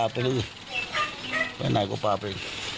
เปลือกทุกขาย